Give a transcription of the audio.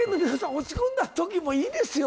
落ち込んだときもいいですよ